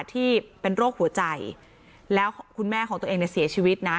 ที่เป็นโรคหัวใจแล้วคุณแม่ของตัวเองเนี่ยเสียชีวิตนะ